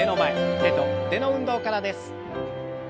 手と腕の運動からです。